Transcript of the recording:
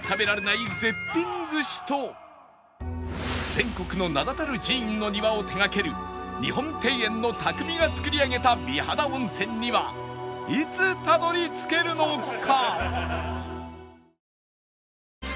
全国の名だたる寺院の庭を手がける日本庭園の匠が造り上げた美肌温泉にはいつたどり着けるのか？